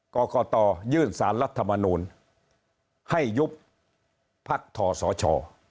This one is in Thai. กรกตยื่นสารรัฐมนูลให้ยุบพักทศช